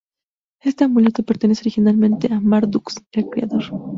Este amuleto pertenece originalmente a Marduk, el creador.